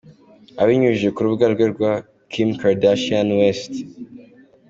Abinyujije ku rubuga rwe rwa kimkardashianwest.